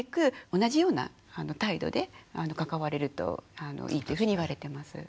同じような態度で関われるといいっていうふうに言われてます。